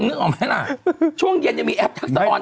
เธอนึกออกไหมล่ะช่วงเย็นยังแอบถังสะออน